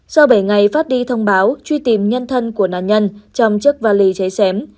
sau bảy ngày phát đi thông báo truy tìm nhân thân của nạn nhân trong chiếc vali cháy xém